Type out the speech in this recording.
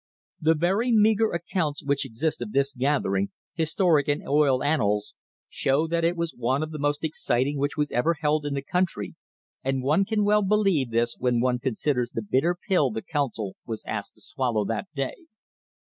The very meagre accounts which exist of this gathering, historic in oil annals, show that it was one of the most exciting which was ever held in the country, and one can well believe this when one considers the bitter pill the council was asked to swallow that day.